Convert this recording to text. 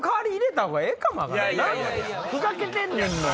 ふざけてんねんもん。